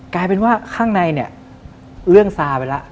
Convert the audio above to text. กลายเป็นว่าข้างในเนี่ยเรื่องซาไปแล้ว